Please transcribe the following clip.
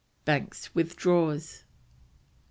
BANKS WITHDRAWS. Mr.